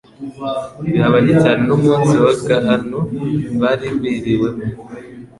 Bihabanye cyane n'umunsi w'agahano bari biriwemo,